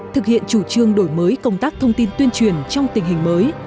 thực hiện chủ trương đổi mới công tác thông tin tuyên truyền trong tình hình mới